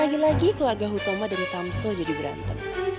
lagi lagi keluarga hutoma dan samso jadi berantem